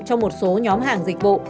trong một số nhóm hàng dịch vụ